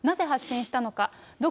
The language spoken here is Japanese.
なぜ発信したのか。